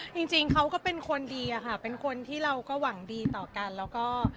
จริงจริงเขาก็เป็นคนดีอะค่ะเป็นคนที่เราก็หวังดีต่อกันแล้วก็